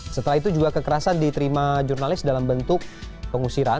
setelah itu juga kekerasan diterima jurnalis dalam bentuk pengusiran